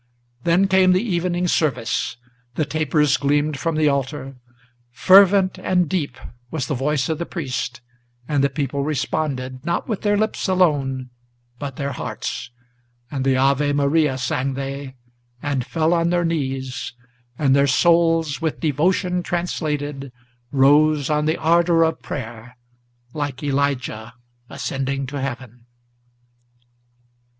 Then came the evening service. The tapers gleamed from the altar. Fervent and deep was the voice of the priest, and the people responded, Not with their lips alone, but their hearts; and the Ave Maria Sang they, and fell on their knees, and their souls, with devotion translated, Rose on the ardor of prayer, like Elijah ascending to heaven.